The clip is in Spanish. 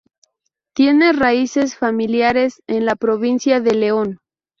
Tiene raíces familiares en la provincia de León.